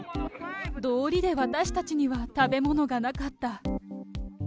どおりで私たちには食べ物がなかった。